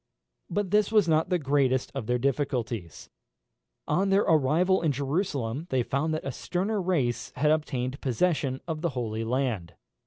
But this was not the greatest of their difficulties. On their arrival in Jerusalem they found that a sterner race had obtained possession of the Holy Land.